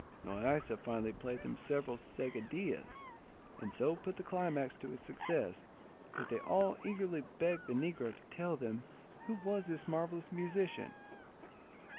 Loaysa finally played them several seguidillas, and so put the climax to his success, that they all eagerly begged the negro to tell them who was this marvellous musician.